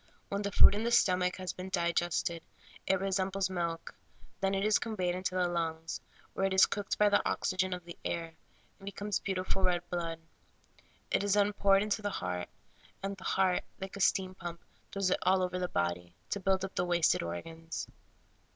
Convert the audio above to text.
When the food in the stomach has been digested, it resembles milk ; then it is conveyed into the lungs, where it is cooked by the oxygen of the air, and becomes beauti ful red blood ; it is then poured into the heart, and the heart, like a steam pump, throws it all over the body, to build up the wasted organs.